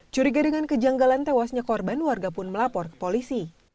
curiga dengan kejanggalan tewasnya korban warga pun melapor ke polisi